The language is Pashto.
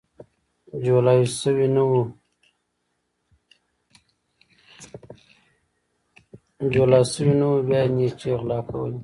جولا سوى نه وو ، بيا يې نيچې غلا کولې.